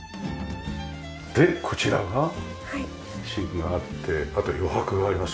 でこちらがシンクがあってあと余白があります。